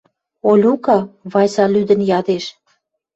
«Олюка! — Вася лӱдӹн ядеш. —